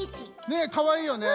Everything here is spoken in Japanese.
ねえかわいいよね。